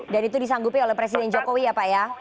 dan itu disanggupi oleh presiden jokowi ya pak ya